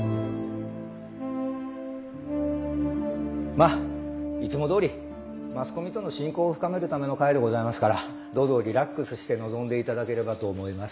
まいつもどおりマスコミとの親交を深めるための会でございますからどうぞリラックスして臨んでいただければと思います。